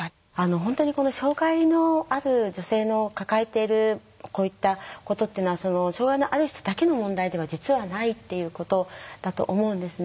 本当に障害のある女性の抱えているこういったことっていうのは障害のある人だけの問題では実はないっていうことだと思うんですね。